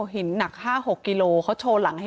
อ่อเหนียวด์หนัก๕๖กิโลเขาโชว์หลังให้